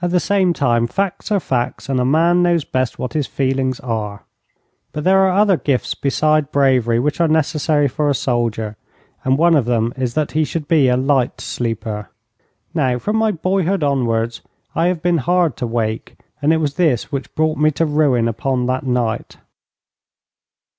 At the same time, facts are facts, and a man knows best what his own feelings are. But there are other gifts besides bravery which are necessary for a soldier, and one of them is that he should be a light sleeper. Now, from my boyhood onwards, I have been hard to wake, and it was this which brought me to ruin upon that night.